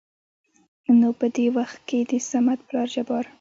نو په د وخت کې دصمد پلار جبار